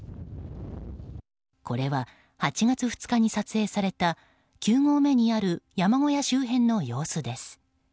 これは、８月２日に撮影された９合目にある山小屋周辺の様子です。